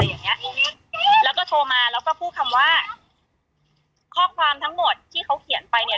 อย่างเงี้ยแล้วก็โทรมาแล้วก็พูดคำว่าข้อความทั้งหมดที่เขาเขียนไปเนี่ย